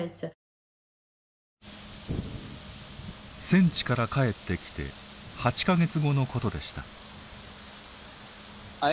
戦地から帰ってきて８か月後のことでした。